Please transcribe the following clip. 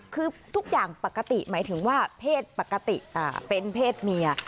คือทุกอย่างปกติหมายถึงว่าเพศปกติเป็นเพศเมีย